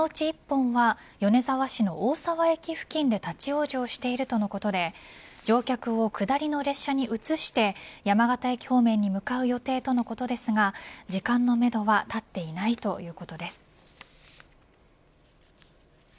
そのうち１本は米沢市の大沢駅付近で立ち往生しているとのことで乗客を下りの列車に移して山形駅方面に向かう予定とのことですが時間のめどは立っていないということです。